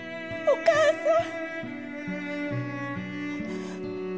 お母さん？